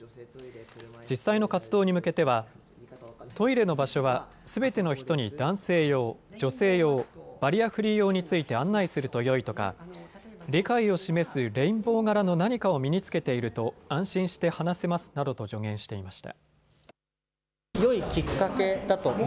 実際の活動に向けてはトイレの場所は、すべての人に男性用、女性用、バリアフリー用について案内するとよいとか理解を示すレインボー柄の何かを身につけていると安心して話せますなどと助言していました。